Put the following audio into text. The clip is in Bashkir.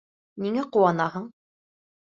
Ниңә ҡыуанаһың?